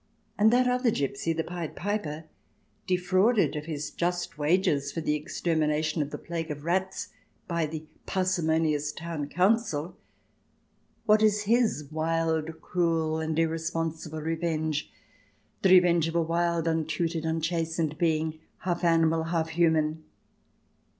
And that other gipsy, the Pied Piper, defrauded of his just wages for the i8o THE DESIRABLE ALIEN [ch. xiii extermination of the plague of rats by the par simonious Town Council, what is his wild, cruel, and irresponsible revenge — the revenge of a wild, untutored, unchastened being, half animal, half human